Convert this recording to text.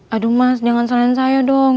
aduh mas jangan salahin saya dong